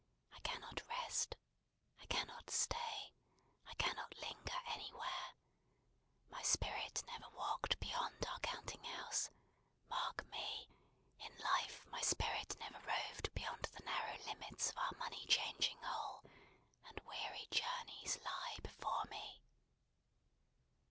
I cannot rest, I cannot stay, I cannot linger anywhere. My spirit never walked beyond our counting house mark me! in life my spirit never roved beyond the narrow limits of our money changing hole; and weary journeys lie before me!"